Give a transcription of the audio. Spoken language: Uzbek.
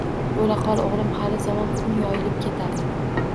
Bo‘la qol, o‘g‘lim, hali-zamon kun yoyilib ketadi.